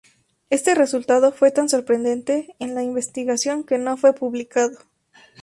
Este resultado fue tan sorprendente en la investigación que no fue publicado.